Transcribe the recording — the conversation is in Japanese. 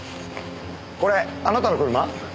これあなたの車？